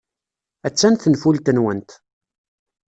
Attan tenfult-nwent.